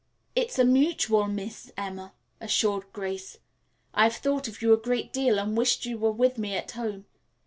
"It's a mutual miss, Emma," assured Grace. "I have thought of you a great deal and wished you were with me at home.